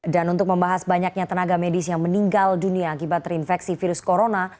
dan untuk membahas banyaknya tenaga medis yang meninggal dunia akibat terinfeksi virus corona